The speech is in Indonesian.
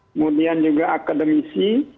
kemudian juga akademisi